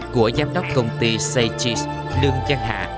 của giám đốc công ty say cheese lương trang hạ